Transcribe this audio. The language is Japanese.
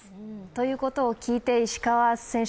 ということを聞いて石川選手